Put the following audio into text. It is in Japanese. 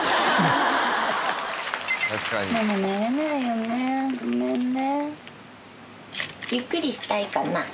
まだ寝れないよねごめんね。